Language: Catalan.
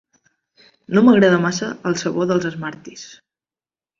No m'agrada massa el sabor dels Smarties.